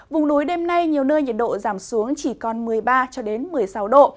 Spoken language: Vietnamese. vùng núi đêm nay nhiều nơi nhiệt độ giảm xuống chỉ còn một mươi ba một mươi sáu độ